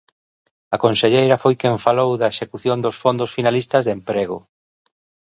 A conselleira foi quen falou da execución dos fondos finalistas de emprego.